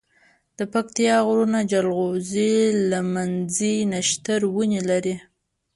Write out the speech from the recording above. دپکتيا غرونه جلغوزي، لمنځی، نښتر ونی لری